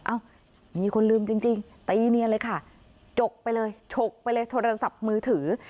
เอ้ามีคนลืมจริงตีเนียนเลยค่ะจกไปเลยฉกไปเลยโทรศัพท์มือถือ